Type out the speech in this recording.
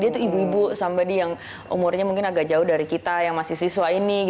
dia tuh ibu ibu sambadi yang umurnya mungkin agak jauh dari kita yang masih siswa ini